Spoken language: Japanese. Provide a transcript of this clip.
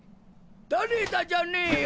誰だじゃねえよ！